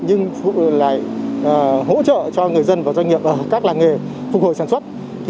nhưng lại hỗ trợ cho người dân và doanh nghiệp ở các làng nghề phục hồi sản xuất